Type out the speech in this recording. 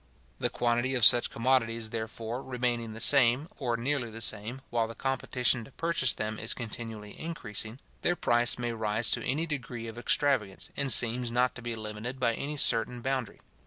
The quantity of such commodities, therefore, remaining the same, or nearly the same, while the competition to purchase them is continually increasing, their price may rise to any degree of extravagance, and seems not to be limited by any certain boundary.